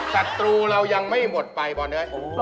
ศัตรูเรายังไม่หมดไปตอนนี้